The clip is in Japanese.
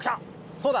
そうだ！